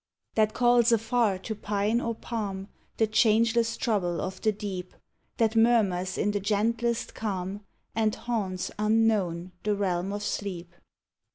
That calls afar to pine or palm The changeless trouble of the deep; That murmurs in the gentlest calm, And haunts, unknown, the realm of sleep.